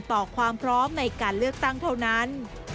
ความพร้อมในการเลือกตั้งเท่านั้น